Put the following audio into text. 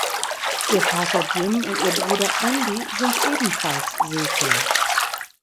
Ihr Vater Jim und ihr Bruder Andy sind ebenfalls Segler.